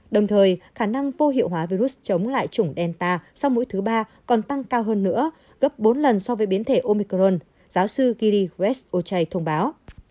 đồng thời khả năng bô hiệu hóa virus chống lại chủng delta sau mũi thứ ba còn tăng cao hơn nữa gấp bốn lần so với biến thể omicron giáo sư giri giresh oce thông báo